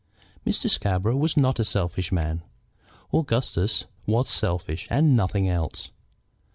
Mr. Scarborough was not a selfish man. Augustus was selfish and nothing else. Mr.